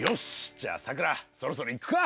じゃあさくらそろそろ行くか。